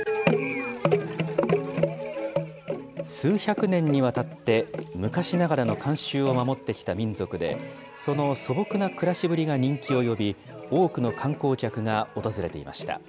数百年にわたって昔ながらの慣習を守ってきた民族で、その素朴な暮らしぶりが人気を呼び、多くの観光客が訪れていました。